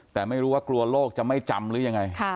แต่ไม่รู้ว่ากลัวโลกจะไม่จำหรือยังไง